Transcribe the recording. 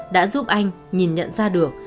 đã giúp anh nhìn nhận ra được